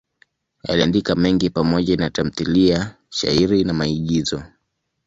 Aliandika mengi pamoja na tamthiliya, shairi na maigizo.